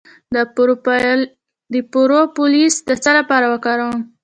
د پروپولیس د څه لپاره وکاروم؟